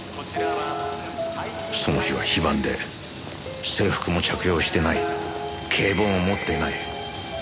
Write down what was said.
その日は非番で制服も着用してない警棒も持ってない。